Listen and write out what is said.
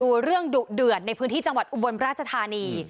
ดูเรื่องดุเดือดในพื้นที่จังหวัดอุบลราชธานี